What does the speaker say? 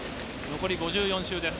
残り５４周です。